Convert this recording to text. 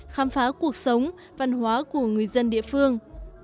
khám phá cuộc sống văn hóa của người dân địa phương